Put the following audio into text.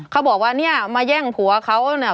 เขาบอกว่าเนี่ยมาแย่งผัวเขาเนี่ย